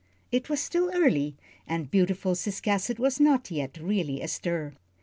It was still early, and beautiful Ciscasset was not yet really astir.